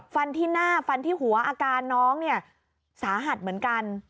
ฟันที่หน้าฟันที่หัวอาการน้องเนี่ยสาหัสเหมือนกัน